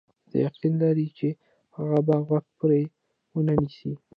دی یقین لري چې هغه به غوږ پرې ونه نیسي.